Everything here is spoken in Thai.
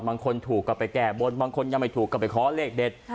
บางคนถูกก็ไปแก้บนบางคนยังไม่ถูกก็ไปขอเลขเด็ด